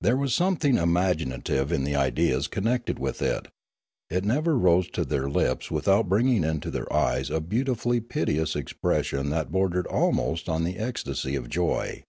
There was something imaginative in the ideas connected with it; it never rose to their lips without bringing into their eyes a beautifully piteous expression that bordered 51 52 Limanora almost on the ecstasy of joy.